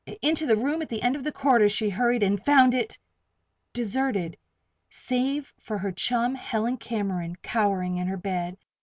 Into the room at the end of the corridor she hurried, and found it Deserted, save for her chum, Helen Cameron, cowering in her bed.